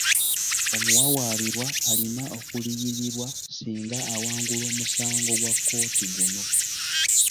Omuwawaabirwa alina okuliyirirwa singa awangula omusango gwa kkooti guno.